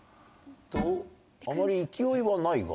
あまり勢いはないが。